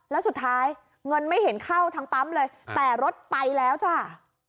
แล้วสุดท้ายเงินไม่เห็นเข้าทางปั๊มเลยแต่รถไปแล้วจ้า